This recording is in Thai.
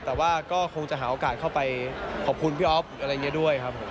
แต่ว่าก็คงจะหาโอกาสเข้าไปขอบคุณพี่อ๊อฟอะไรอย่างนี้ด้วยครับผม